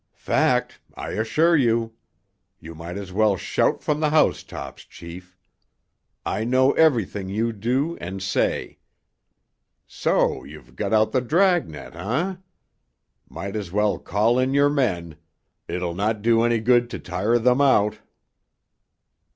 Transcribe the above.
"Fact, I assure you. You might as well shout from the housetops, chief. I know everything you do and say. So you've got out the dragnet, eh? Might as well call in your men; it'll not do any good to tire them out."